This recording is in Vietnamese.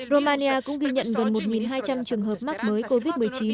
romania cũng ghi nhận gần một hai trăm linh trường hợp mắc mới covid một mươi chín